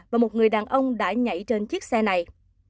và một người đàn ông đã nhảy trên chiếc xe này